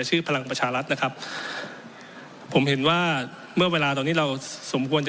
พลังประชารัฐนะครับผมเห็นว่าเมื่อเวลาตอนนี้เราสมควรจะ